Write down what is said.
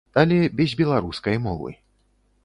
Але без беларускай мовы.